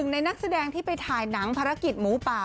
ในนักแสดงที่ไปถ่ายหนังภารกิจหมูป่า